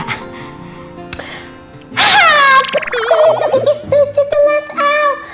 hah betul itu gitu setuju tuh mas al